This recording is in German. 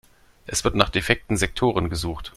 Es wird nach defekten Sektoren gesucht.